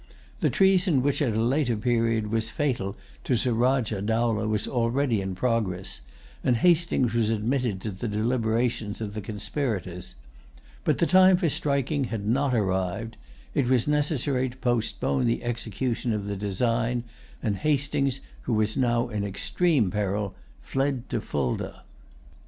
The treason which at a later period was fatal to Surajah Dowlah was already in progress; and Hastings was admitted to the deliberations of the conspirators. But the time for striking had not arrived. It was necessary to postpone the execution of the design; and Hastings, who was now in extreme peril, fled to Fulda.